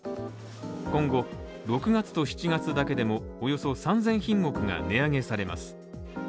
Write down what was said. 今後、６月と７月だけでもおよそ３０００品目が値上げされます。